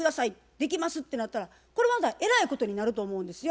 「できます」ってなったらこれはえらいことになると思うんですよ。